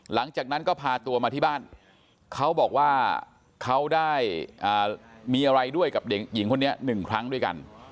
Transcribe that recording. หลังจากนั้นก็พาตัวมาที่บ้านเขาบอกว่าเขาได้มีอะไรด้วยกับเด็กหญิงคนนี้หนึ่งครั้งด้วยกัน